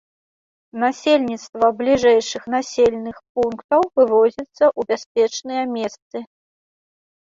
Насельніцтва бліжэйшых населеных пунктаў вывозіцца ў бяспечныя месцы.